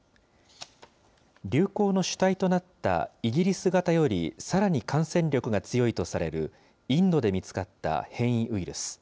流行の主体となったイギリス型より、さらに感染力が強いとされる、インドで見つかった変異ウイルス。